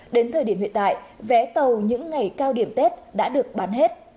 đến thời điểm hiện tại vé tàu những ngày cao điểm tết đã được bán hết